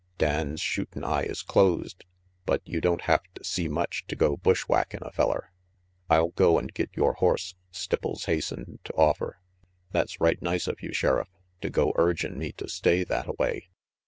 Dan's shootin' eye is closed, but you don't hafta see much to go bushwhackin' a feller "I'll go and get your horse," Stipples hastened to offer. "That's right nice of you, Sheriff, to go urgin' me to stay thattaway.